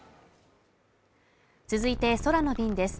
続いて空の便です